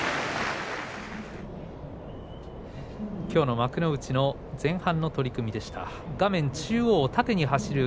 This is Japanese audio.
きょうの幕内の前半の取組でした。